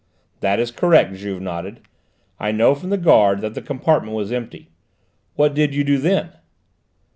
"That is correct," Juve nodded. "I know from the guard that that compartment was empty. What did you do then?"